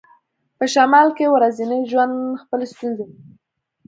په شمال کې ورځنی ژوند خپلې ستونزې لري